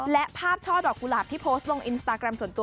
และภาพช่อดอกกุหลาบที่โพสต์ลงอินสตาแกรมส่วนตัว